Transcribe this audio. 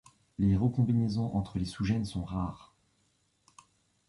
Les recombinaisons entre les sous-gènes sont rares.